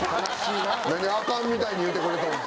何アカンみたいに言うてくれとんねん。